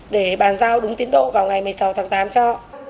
để bàn giao đúng tiến độ vào ngày một mươi sáu tháng tám cho